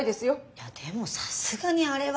いやでもさすがにあれは。